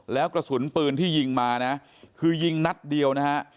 แล้วกระสุนปืนที่ยิงมานะคือยิงนัดเดียวนะฮะ